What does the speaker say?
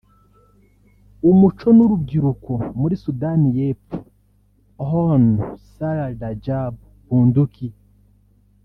umuco n’Urubyiruko muri Sudani y’Epfo Hon Salal Rajab Bunduki